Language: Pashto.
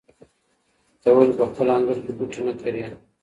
ته ولې په خپل انګړ کې بوټي نه کرې؟